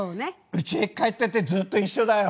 うちへ帰ったってずっと一緒だよ。